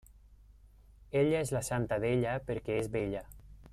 Ella és la santa d’ella perquè és bella.